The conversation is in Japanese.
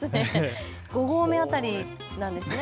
５合目辺りなんですね。